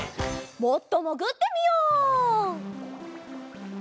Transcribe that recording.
もっともぐってみよう！